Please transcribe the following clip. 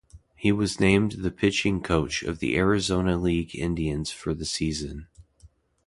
He was named the pitching coach of the Arizona League Indians for the season.